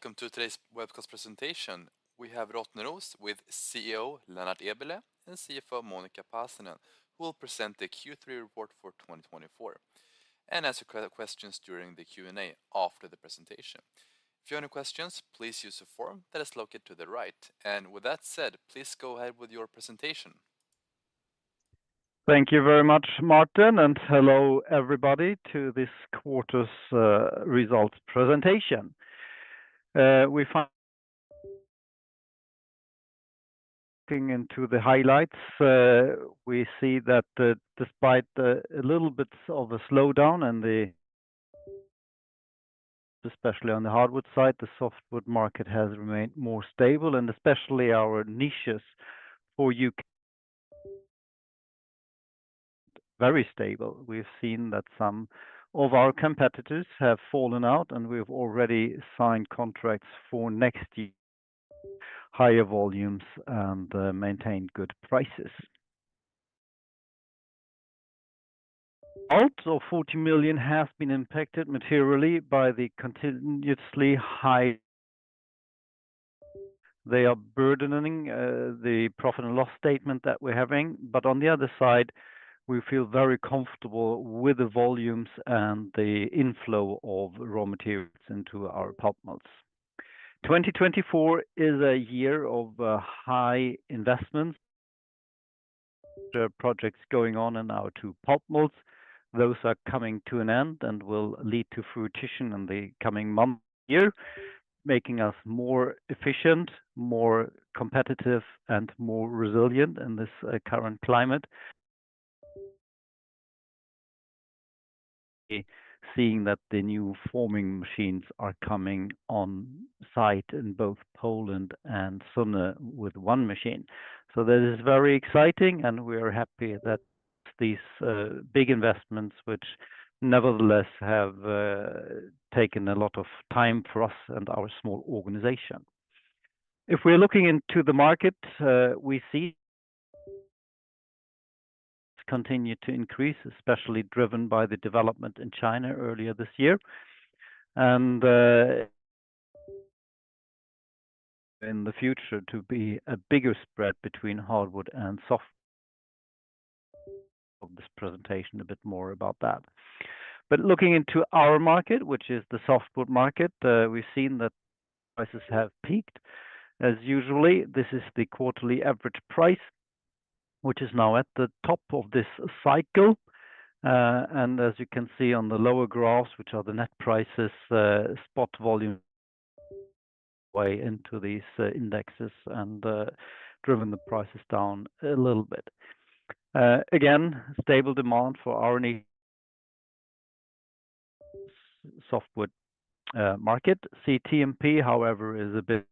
Hello, and welcome to today's webcast presentation. We have Rottneros with CEO Lennart Eberleh and CFO Monica Pasanen, who will present the Q3 report for twenty twenty-four, and answer questions during the Q&A after the presentation. If you have any questions, please use the form that is located to the right. And with that said, please go ahead with your presentation. Thank you very much, Martin, and hello, everybody, to this quarter's results presentation. We dive into the highlights. We see that, despite a little bit of a slowdown in the market, especially on the hardwood side, the softwood market has remained more stable, and especially our niches for UKP very stable. We've seen that some of our competitors have fallen out, and we've already signed contracts for next year, higher volumes, and maintained good prices. Also, 40 million has been impacted materially by the continuously high [wood costs]. They are burdening the profit and loss statement that we're having, but on the other side, we feel very comfortable with the volumes and the inflow of raw materials into our pulp mills. 2024 is a year of high investments. There are projects going on in our two pulp mills. Those are coming to an end and will lead to fruition in the coming coming year, making us more efficient, more competitive, and more resilient in this current climate. Seeing that the new forming machines are coming on site in both Poland and Sunne with one machine. So that is very exciting, and we are happy that these big investments, which nevertheless have taken a lot of time for us and our small organization. If we're looking into the market, we see continue to increase, especially driven by the development in China earlier this year. And in the future to be a bigger spread between hardwood and softwood of this presentation a bit more about that. But looking into our market, which is the softwood market, we've seen that prices have peaked. As usual, this is the quarterly average price, which is now at the top of this cycle. And as you can see on the lower graphs, which are the net prices, spot volumes weigh into these indexes and driven the prices down a little bit. Again, stable demand for our softwood market. CTMP, however, is a bit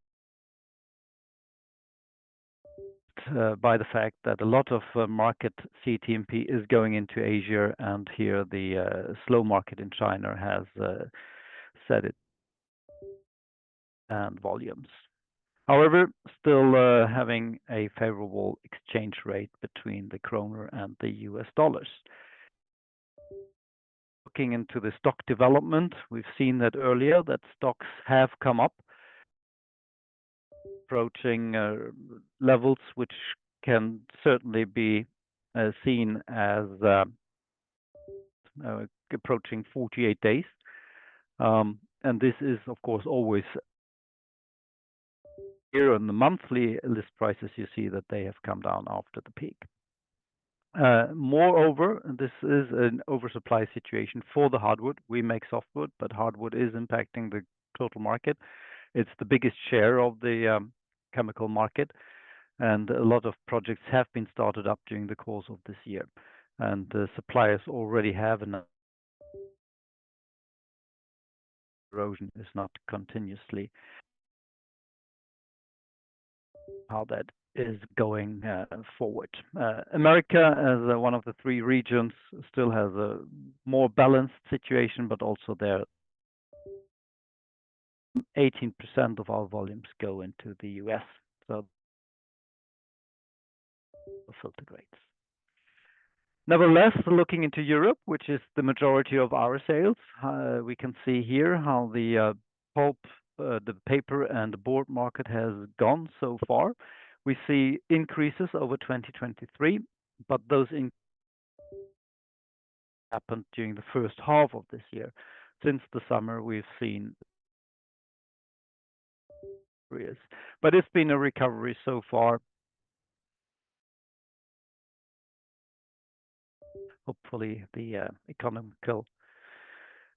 hit by the fact that a lot more CTMP is going into Asia, and here the slow market in China has hit it, and volumes. However, still having a favorable exchange rate between the krona and the US dollars. Looking into the stock development, we've seen that earlier, stocks have come up, approaching levels which can certainly be seen as approaching 48 days. And this is, of course, always... Here on the monthly list prices, you see that they have come down after the peak. Moreover, and this is an oversupply situation for the hardwood. We make softwood, but hardwood is impacting the total market. It's the biggest share of the chemical market, and a lot of projects have been started up during the course of this year. And the suppliers already have enough... erosion is not continuous, how that is going forward. America, as one of the three regions, still has a more balanced situation, but also there, 18% of our volumes go into the U.S., so Fed rates. Nevertheless, looking into Europe, which is the majority of our sales, we can see here how the pulp, the paper, and the board market has gone so far. We see increases over 2023, but those increases happened during the first half of this year. Since the summer, we've seen. It's been a recovery so far. Hopefully, the economic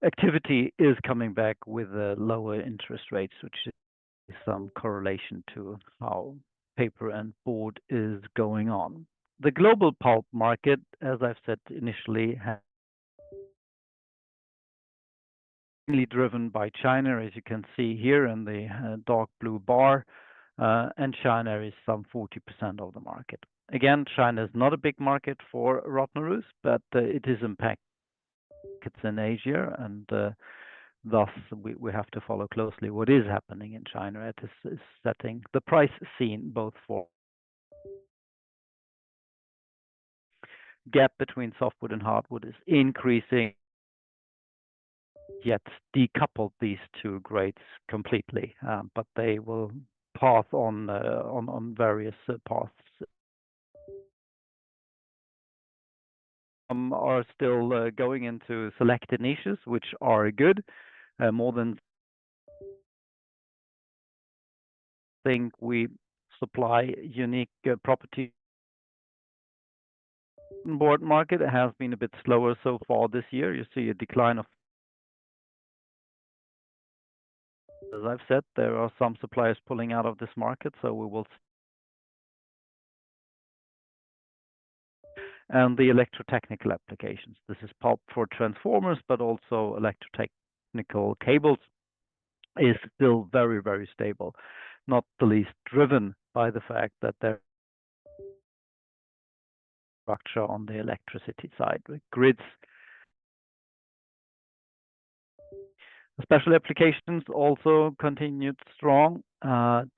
activity is coming back with lower interest rates, which is some correlation to how paper and board is going on. The global pulp market, as I've said initially, is mainly driven by China, as you can see here in the dark blue bar, and China is some 40% of the market. Again, China is not a big market for Rottneros, but it impacts markets in Asia, and thus, we have to follow closely what is happening in China. It is setting the price scene both for the gap between softwood and hardwood is increasing, yet decoupled these two grades completely. But they will pass on various paths. Some are still going into selected niches, which are good, more than I think we supply unique properties. Board market has been a bit slower so far this year. You see a decline of. As I've said, there are some suppliers pulling out of this market, so we will, and the electrotechnical applications. This is pulp for transformers, but also electrotechnical cables, is still very, very stable, not the least driven by the fact that there's infrastructure on the electricity side, with grids. The special applications also continued strong,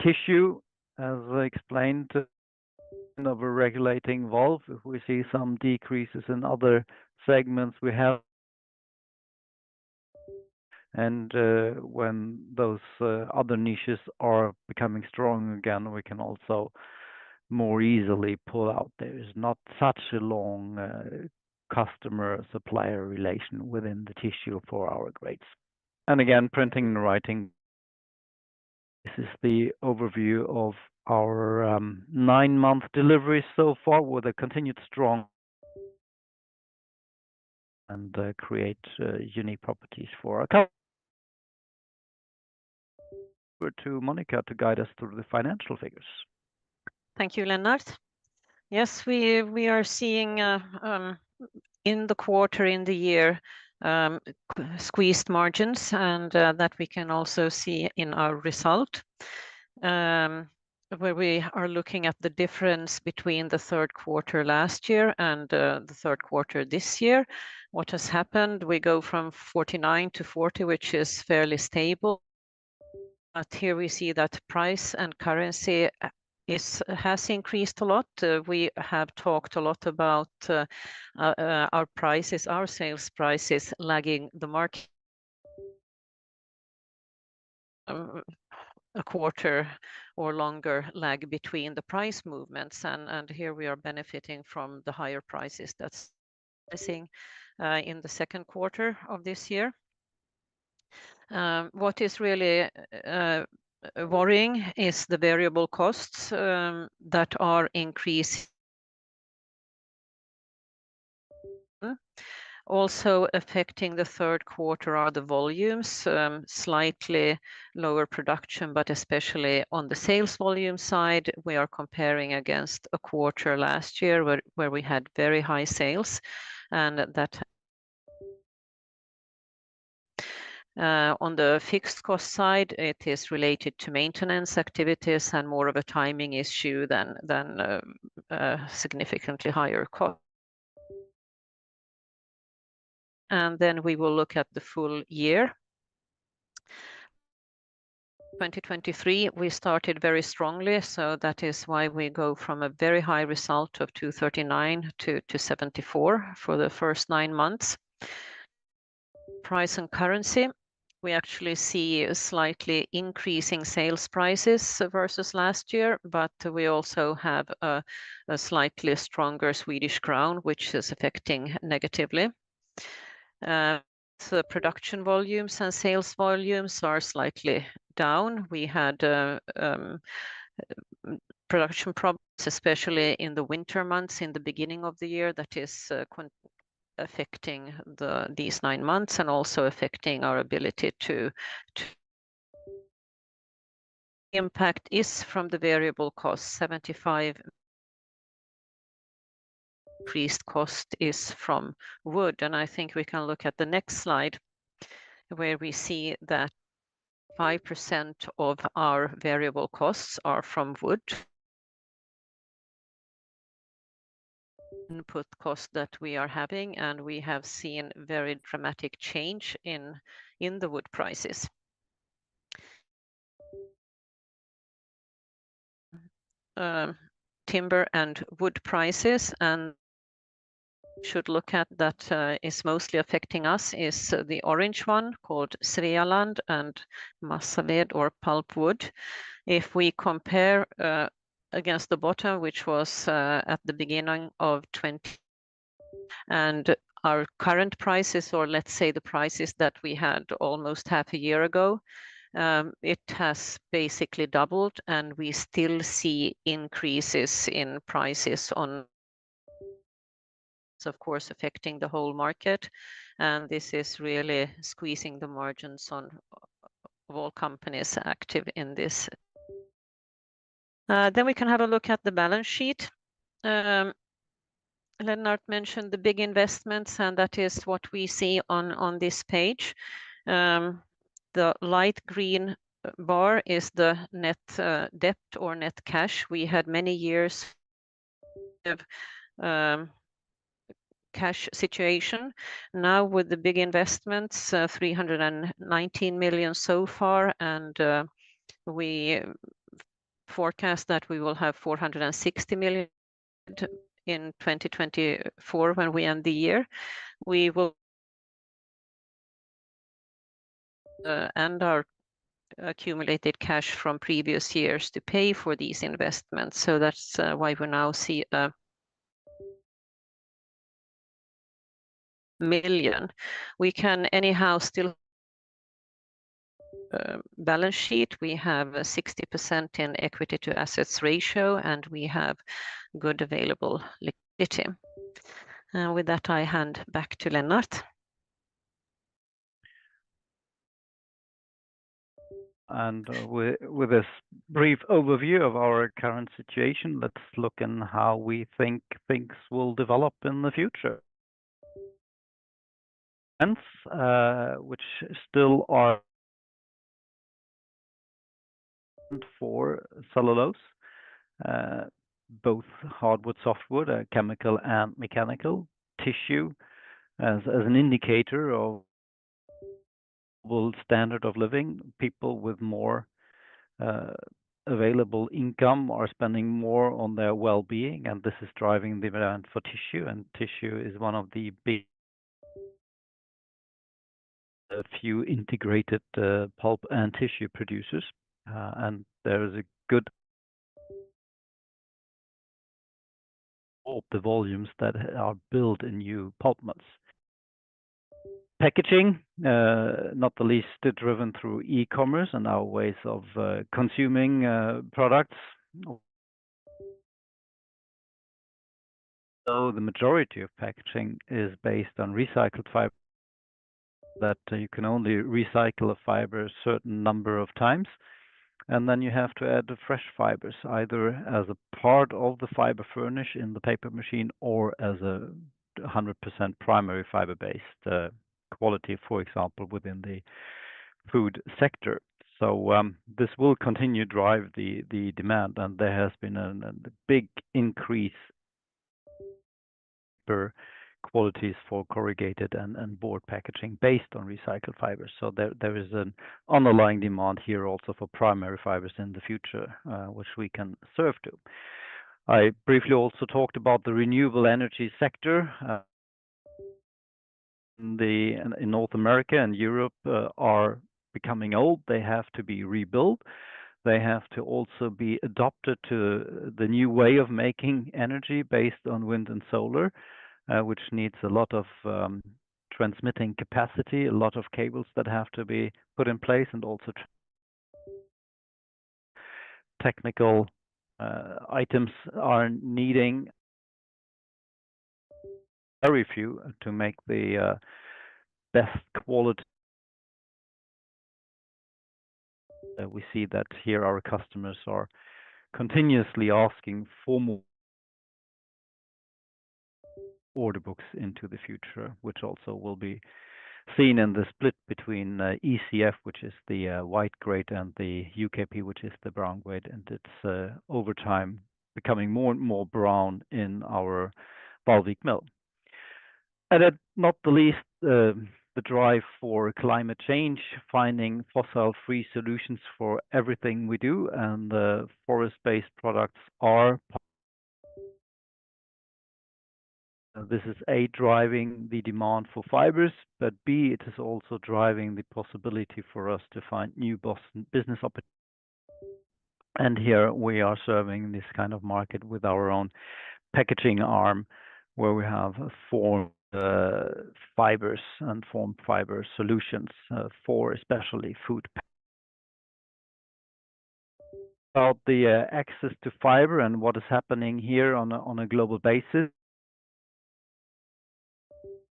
tissue, as I explained, a regulating valve. If we see some decreases in other segments, we have, and when those other niches are becoming strong again, we can also more easily pull out. There is not such a long customer-supplier relation within the tissue for our grades, and again, printing and writing. This is the overview of our nine-month delivery so far, with a continued strong and create unique properties for our customer. Over to Monica to guide us through the financial figures. Thank you, Lennart. Yes, we are seeing in the quarter, in the year, squeezed margins, and that we can also see in our result. Where we are looking at the difference between the third quarter last year and the third quarter this year, what has happened? We go from forty-nine to forty, which is fairly stable. But here we see that price and currency has increased a lot. We have talked a lot about our prices, our sales prices lagging the market. A quarter or longer lag between the price movements, and here we are benefiting from the higher prices that's pricing in the second quarter of this year. What is really worrying is the variable costs that are increasing. Also affecting the third quarter are the volumes, slightly lower production, but especially on the sales volume side, we are comparing against a quarter last year, where we had very high sales. On the fixed cost side, it is related to maintenance activities and more of a timing issue than significantly higher cost, and then we will look at the full year. 2023, we started very strongly, so that is why we go from a very high result of 239 to 74 for the first nine months. Price and currency. We actually see a slightly increasing sales prices versus last year, but we also have a slightly stronger Swedish crown, which is affecting negatively, so the production volumes and sales volumes are slightly down. We had production problems, especially in the winter months, in the beginning of the year. That is affecting these nine months and also affecting our ability to. The impact is from the variable cost 75. Increased cost is from wood, and I think we can look at the next slide, where we see that 5% of our variable costs are from wood. Input cost that we are having, and we have seen very dramatic change in the wood prices. Timber and wood prices, and we should look at that is mostly affecting us, is the orange one, called Svealand and Massaved or pulpwood. If we compare against the bottom, which was at the beginning of 2023 and our current prices, or let's say the prices that we had almost half a year ago, it has basically doubled, and we still see increases in prices on. So of course affecting the whole market, and this is really squeezing the margins on all companies active in this. Then we can have a look at the balance sheet. Lennart mentioned the big investments, and that is what we see on this page. The light green bar is the net debt or net cash. We had many years of cash situation. Now, with the big investments, 319 million SEK so far, and we forecast that we will have 460 million SEK in 2024 when we end the year. We will and our accumulated cash from previous years to pay for these investments. So that's why we now see a million. We can anyhow still balance sheet. We have a 60% equity to assets ratio, and we have good available liquidity. With that, I hand back to Lennart. With this brief overview of our current situation, let's look into how we think things will develop in the future. Hence, which still are for cellulose, both hardwood, softwood, chemical and mechanical tissue, as an indicator of world standard of living. People with more available income are spending more on their well-being, and this is driving demand for tissue, and tissue is one of the big. A few integrated pulp and tissue producers, and there is a good all the volumes that are built in new pulp mills. Packaging, not the least, driven through e-commerce and our ways of consuming products, so the majority of packaging is based on recycled fiber. That you can only recycle a fiber a certain number of times, and then you have to add the fresh fibers, either as a part of the fiber furnish in the paper machine or as a hundred percent primary fiber-based quality, for example, within the food sector. So this will continue to drive the demand, and there has been a big increase per qualities for corrugated and board packaging based on recycled fibers. So there is an underlying demand here also for primary fibers in the future, which we can serve to. I briefly also talked about the renewable energy sector in North America and Europe are becoming old. They have to be rebuilt. They have to also be adopted to the new way of making energy based on wind and solar, which needs a lot of transmitting capacity, a lot of cables that have to be put in place, and also technical items are needing very few to make the best quality. We see that here our customers are continuously asking for more order books into the future, which also will be seen in the split between ECF, which is the white grade, and the UKP, which is the brown grade, and it's over time, becoming more and more brown in our Vallvik Mill. And then, not the least, the drive for climate change, finding fossil-free solutions for everything we do, and the forest-based products are. This is, A, driving the demand for fibers, but, B, it is also driving the possibility for us to find new business opportunities. And here we are serving this kind of market with our own packaging arm, where we have formed fibers and formed fiber solutions for especially food. About the access to fiber and what is happening here on a global basis,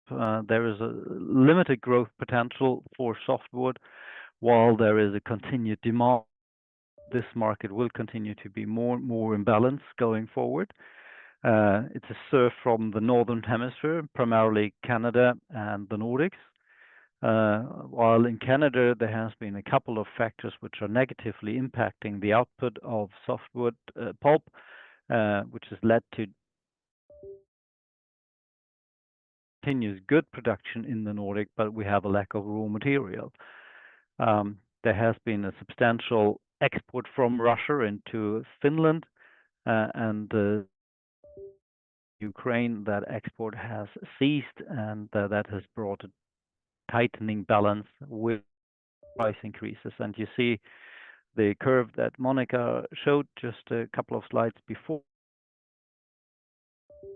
there is a limited growth potential for softwood, while there is a continued demand. This market will continue to be more and more imbalanced going forward. It's sourced from the northern hemisphere, primarily Canada and the Nordics. While in Canada, there has been a couple of factors which are negatively impacting the output of softwood pulp, which has led to continuous good production in the Nordics, but we have a lack of raw material. There has been a substantial export from Russia into Finland and Ukraine, that export has ceased, and that has brought a tightening balance with price increases. You see the curve that Monica showed just a couple of slides before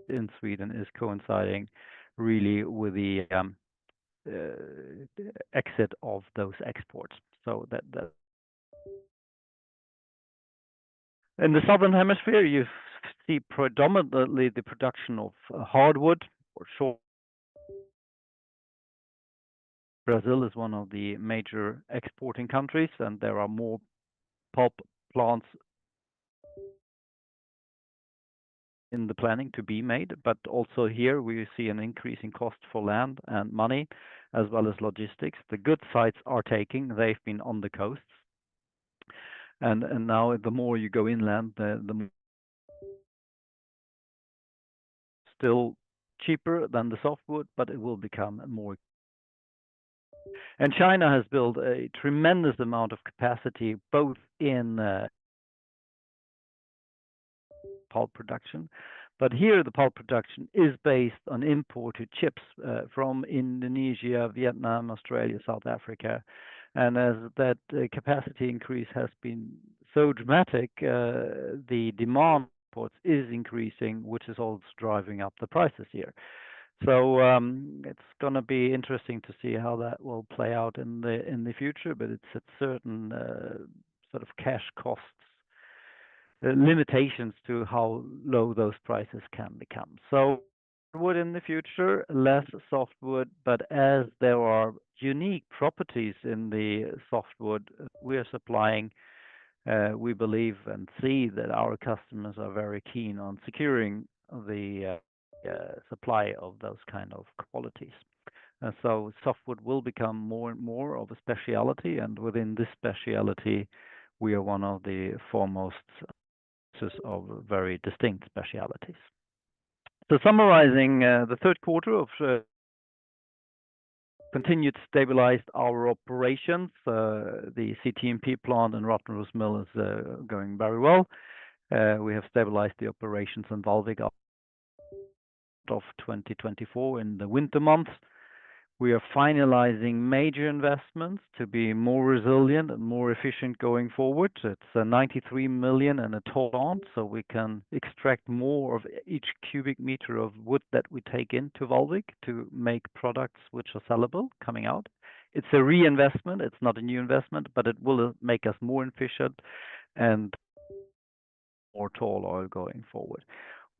in Sweden is coinciding really with the exit of those exports. In the southern hemisphere, you see predominantly the production of hardwood or softwood. Brazil is one of the major exporting countries, and there are more pulp plants in the planning to be made. But also here, we see an increase in cost for land and money, as well as logistics. The good sites are taking. They've been on the coasts. Now the more you go inland, the more still cheaper than the softwood, but it will become more. China has built a tremendous amount of capacity, both in pulp production. Here, the pulp production is based on imported chips from Indonesia, Vietnam, Australia, South Africa. As that capacity increase has been so dramatic, the demand for it is increasing, which is also driving up the prices here. It's gonna be interesting to see how that will play out in the future, but it's a certain sort of cash costs limitations to how low those prices can become. So hardwood in the future, less softwood, but as there are unique properties in the softwood we are supplying, we believe and see that our customers are very keen on securing the supply of those kind of qualities. And so softwood will become more and more of a specialty, and within this specialty, we are one of the foremost sources of very distinct specialties. So summarizing, the third quarter continued to stabilize our operations. The CTMP plant in Rottneros Mill is going very well. We have stabilized the operations involving our start of twenty twenty-four in the winter months. We are finalizing major investments to be more resilient and more efficient going forward. It's 93 million tall oil, so we can extract more of each cubic meter of wood that we take into Vallvik to make products which are sellable coming out. It's a reinvestment. It's not a new investment, but it will make us more efficient and more tall oil going forward.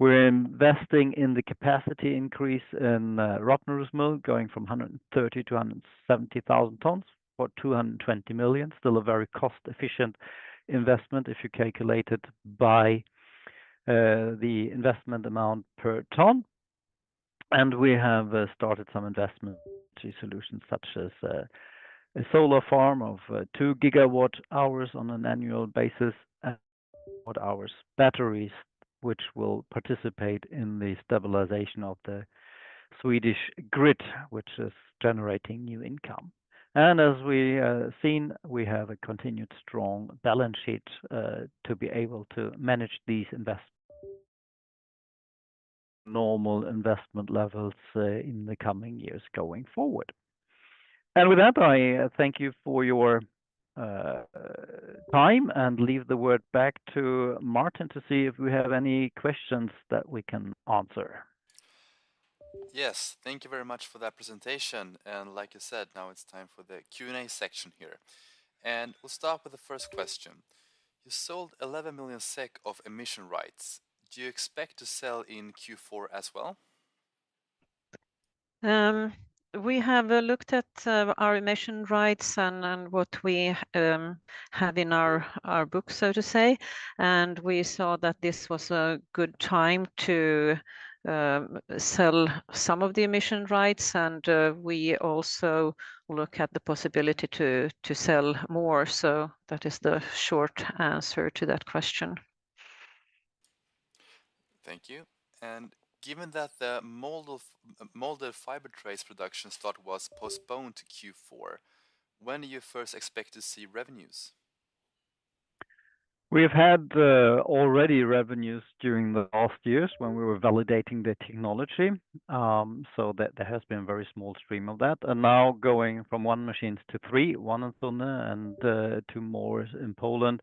We're investing in the capacity increase in Rottneros Mill, going from 130 to 170 thousand tons, or 220 million. Still a very cost-efficient investment if you calculate it by the investment amount tall ton. We have started some investment solutions, such as a solar farm of 2 gigawatt hours on an annual basis, and batteries, which will participate in the stabilization of the Swedish grid, which is generating new income. As we've seen, we have a continued strong balance sheet to be able to manage these investments. Normal investment levels in the coming years going forward. With that, I thank you for your time, and leave the word back to Martin to see if we have any questions that we can answer. Yes, thank you very much for that presentation. And like you said, now it's time for the Q&A section here. And we'll start with the first question: You sold 11 million SEK of emission rights. Do you expect to sell in Q4 as well? We have looked at our emission rights and what we have in our books, so to say, and we saw that this was a good time to sell some of the emission rights, and we also look at the possibility to sell more. So that is the short answer to that question. Thank you. Given that the molded fiber trays production start was postponed to Q4, when do you first expect to see revenues? We have had already revenues during the last years when we were validating the technology. So there has been a very small stream of that. And now going from one machines to three, one in Sunne and two more in Poland,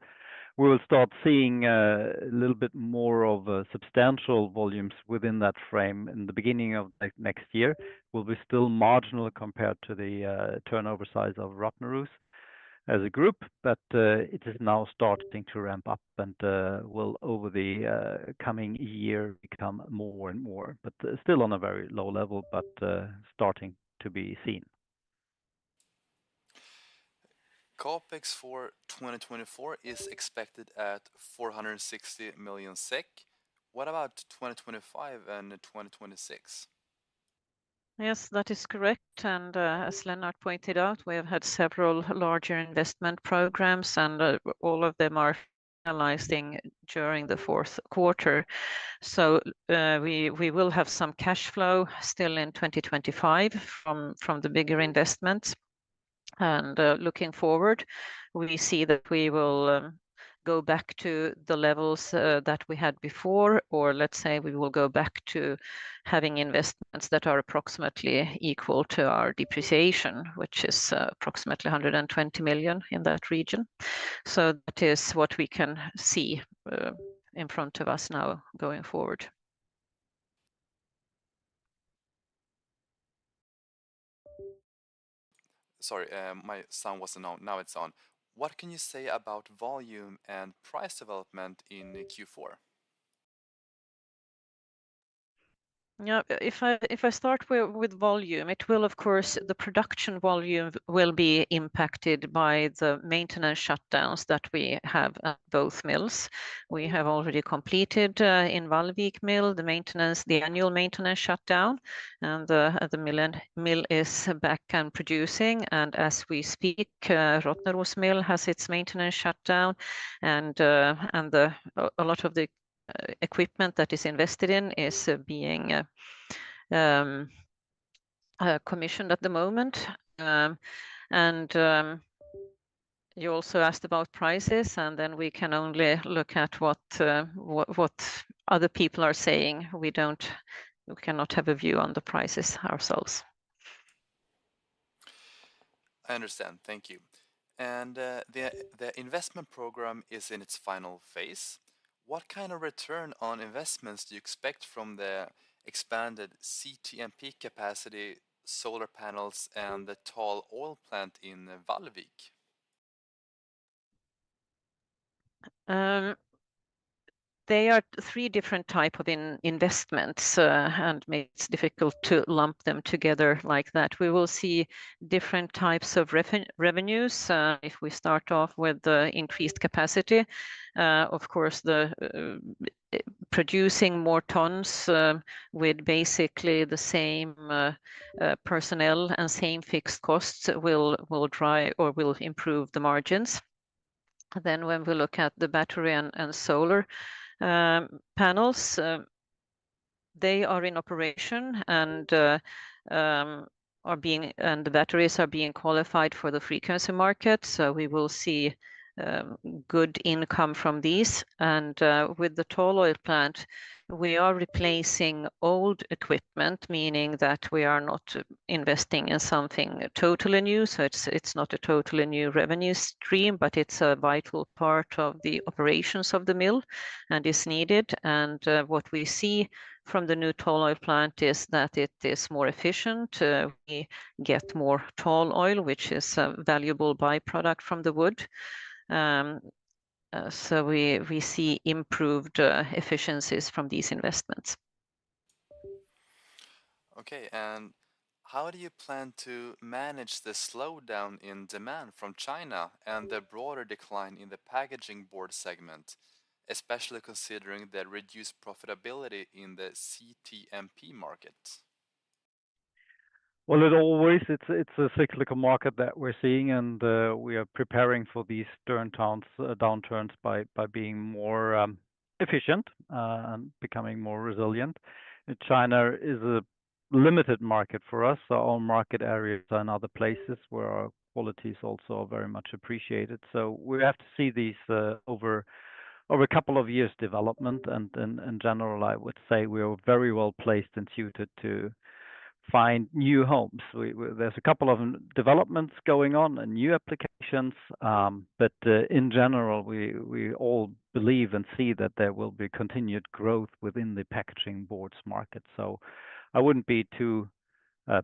we will start seeing a little bit more of substantial volumes within that frame. In the beginning of next year, we'll be still marginal compared to the turnover size of Rottneros as a group, but it is now starting to ramp up and will over the coming year become more and more, but still on a very low level, but starting to be seen. CapEx for 2024 is expected at 460 million SEK. What about 2025 and 2026? Yes, that is correct. And, as Lennart pointed out, we have had several larger investment programs, and, all of them are finalizing during the fourth quarter. So, we will have some cash flow still in 2025 from, the bigger investments. And, looking forward, we see that we will, go back to the levels, that we had before, or let's say, we will go back to having investments that are approximately equal to our depreciation, which is, approximately 120 million SEK in that region. So that is what we can see, in front of us now going forward. Sorry, my sound wasn't on. Now it's on. What can you say about volume and price development in Q4? Yeah, if I start with volume, it will, of course, the production volume will be impacted by the maintenance shutdowns that we have at both mills. We have already completed in Vallvik Mill the maintenance, the annual maintenance shutdown, and the mill is back and producing. As we speak, Rottneros Mill has its maintenance shutdown, and a lot of the equipment that is invested in is being commissioned at the moment. You also asked about prices, and then we can only look at what other people are saying. We cannot have a view on the prices ourselves. I understand. Thank you, and the investment program is in its final phase. What kind of return on investments do you expect from the expanded CTMP capacity, solar panels, and the tall oil plant in Vallvik? They are three different type of investments, and makes difficult to lump them together like that. We will see different types of revenues if we start off with the increased capacity. Of course, the producing more tons with basically the same personnel and same fixed costs will drive or will improve the margins. Then when we look at the battery and solar panels, they are in operation, and the batteries are being qualified for the frequency market, so we will see good income from these. And with the tall oil plant, we are replacing old equipment, meaning that we are not investing in something totally new. So it's not a totally new revenue stream, but it's a vital part of the operations of the mill and is needed. What we see from the new tall oil plant is that it is more efficient. We get more tall oil, which is a valuable by-product from the wood. So we see improved efficiencies from these investments. Okay, and how do you plan to manage the slowdown in demand from China and the broader decline in the packaging board segment, especially considering the reduced profitability in the CTMP market? As always, it's a cyclical market that we're seeing, and we are preparing for these downturns by being more efficient and becoming more resilient. China is a limited market for us, so all market areas are in other places where our quality is also very much appreciated, so we have to see these over a couple of years development, and in general, I would say we are very well placed and suited to find new homes. There's a couple of developments going on and new applications, but in general, we all believe and see that there will be continued growth within the packaging boards market, so I wouldn't be too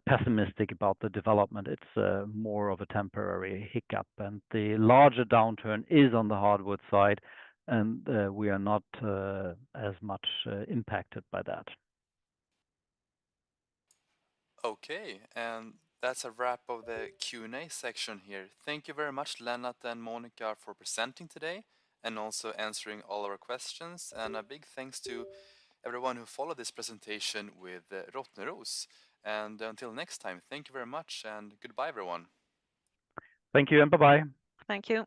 pessimistic about the development. It's more of a temporary hiccup, and the larger downturn is on the hardwood side, and we are not as much impacted by that. Okay, and that's a wrap of the Q&A section here. Thank you very much, Lennart and Monica, for presenting today, and also answering all our questions, and a big thanks to everyone who followed this presentation with Rottneros, and until next time, thank you very much, and goodbye, everyone. Thank you, and bye-bye. Thank you.